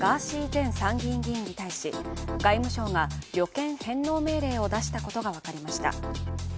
前参議院議員に対し外務省が旅券返納命令を出したことが分かりました。